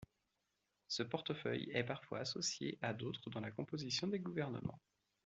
Ce portefeuille est parfois associé à d'autres dans la composition des gouvernements.